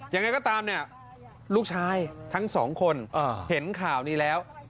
ยังไงก็ตามเนี่ยลูกชายทั้งสองคนเห็นข่าวนี้แล้ว